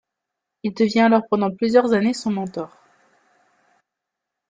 Il devient alors pendant plusieurs années son mentor.